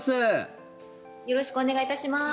よろしくお願いします。